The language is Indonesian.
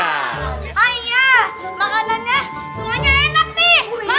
oh ya allah ya allah ya allah